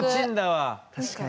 確かに。